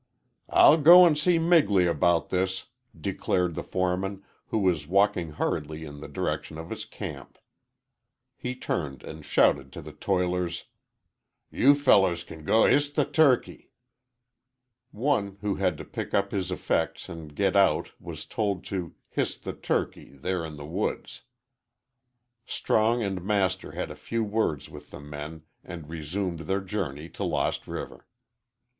"I'll go and see Migley about this," declared the foreman, who was walking hurriedly in the direction of his camp. He turned and shouted to the toilers, "You fellers can go 'histe the turkey.'" One who had to pick up his effects and get out was told to "histe the turkey" there in the woods. Strong and Master had a few words with the men and resumed their journey to Lost River.